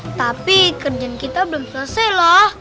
eh tapi kerjaan kita belum selesai lah